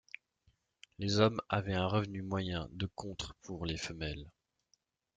Les hommes avaient un revenu moyen de contre pour les femelles.